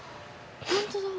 本当だ。